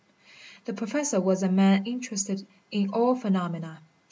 The professor was a man interested in all phenomena.